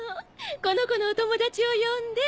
この子のお友達を呼んで。